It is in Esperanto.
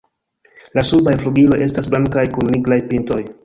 La subaj flugiloj estas blankaj kun nigraj pintoj.